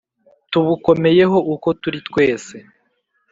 Tubukomeyeho uko turi twese